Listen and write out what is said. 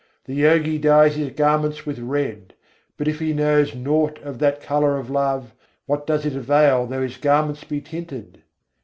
The Yogi dyes his garments with red: but if he knows naught of that colour of love, what does it avail though his garments be tinted?